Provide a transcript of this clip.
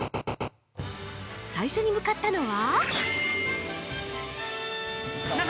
最初に向かったのは。